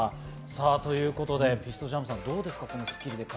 ということでピストジャムさん、いかがでしたか？